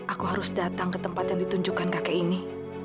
aku harus datang ke tempat yang ditunjukkan kakek ini